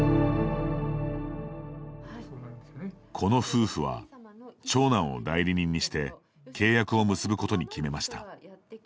この夫婦は、長男を代理人にして契約を結ぶことに決めました。